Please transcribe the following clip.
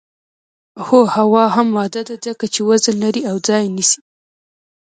هو هوا هم ماده ده ځکه چې وزن لري او ځای نیسي.